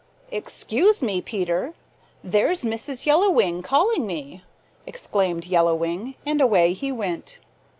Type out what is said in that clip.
"Excuse me, Peter, there's Mrs. Yellow Wing calling me," exclaimed Yellow Wing, and away he went.